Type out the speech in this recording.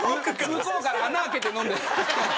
向こうから穴開けて飲んでる。